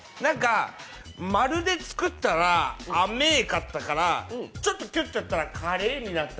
丸で作ったらあめぇかったからちょっとキュッとやったらカレーになった。